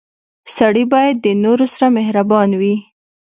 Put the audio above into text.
• سړی باید د نورو سره مهربان وي.